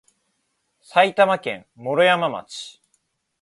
埼玉県毛呂山町